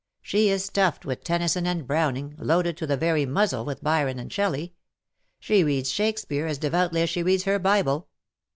She is stuffed with Tennyson and Browning, loaded to the very muzzle with Byron and Shelley. She reads Shakespeare as devoutly as she reads her Bible.